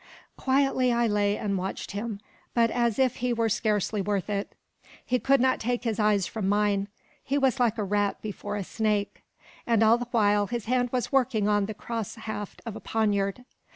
Quietly I lay and watched him; but as if he were scarcely worth it. He could not take his eyes from mine. He was like a rat before a snake. And all the while, his hand was working on the cross haft of a poniard.